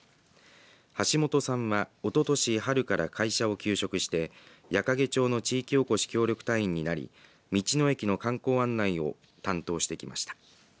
橋本さんはおととし春から会社を休職して矢掛町の地域おこし協力隊員になり道の駅の観光案内を担当してきました。